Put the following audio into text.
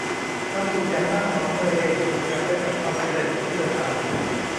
ความสุขอย่างมากของเธอเองถูกแขวนไว้กับความสำเร็จที่เธอทำ